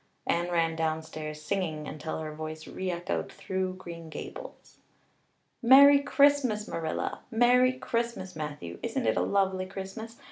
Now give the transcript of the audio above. Anne ran downstairs singing until her voice reechoed through Green Gables. "Merry Christmas, Marilla! Merry Christmas, Matthew! Isn't it a lovely Christmas?